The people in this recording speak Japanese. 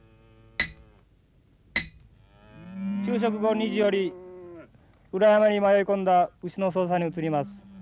昼食後２時より裏山に迷い込んだ牛の捜査に移ります。